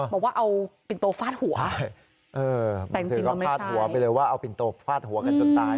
บอกว่าเอาปิ่นโตฟาดหัวแต่จริงว่าไม่ใช่